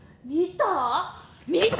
見た？